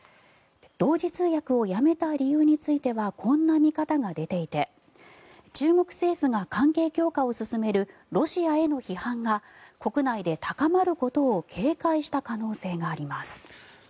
同時通訳をやめた理由についてはこんな見方が出ていて中国政府が関係強化を進めるロシアへの批判が国内で高まることを警戒した可能性があります。